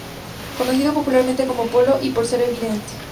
Conocido popularmente como "Polo" y por ser invidente.